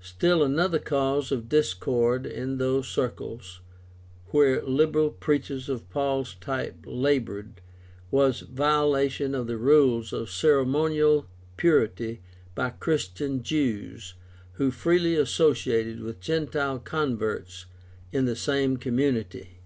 Still another cause of discord in those circles where liberal preachers of Paul's type labored was violation of the rules of ceremonial purity by Christian Jews who freely associated with gentile converts in the same community.